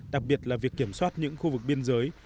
đặc biệt là việc kiểm soát những khu vực biên giới